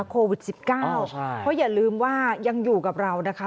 โควิด๑๙เพราะอย่าลืมว่ายังอยู่กับเรานะคะ